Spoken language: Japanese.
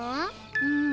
・うん。